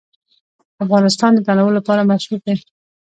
افغانستان د تنوع لپاره مشهور دی.